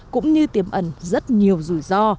cũng như tiềm ẩn rất nhiều rủi ro